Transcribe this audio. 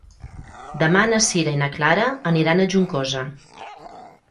Demà na Sira i na Clara aniran a Juncosa.